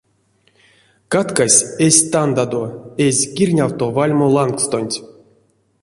Каткась эзь тандадо, эзь кирнявто вальма лангстонть.